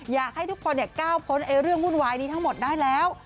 อยากให้ทุกคนก้าวพ้นเรื่องวุ่นวายนี้ทั้งหมดได้แล้ว